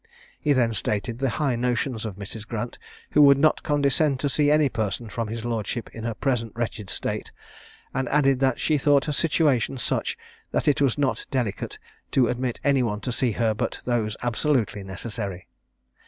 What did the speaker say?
He then stated the high notions of Mrs. Grant, who would not condescend to see any person from his lordship in her present wretched state; and added that she thought her situation such, that it was not delicate to admit any one to see her but those absolutely necessary.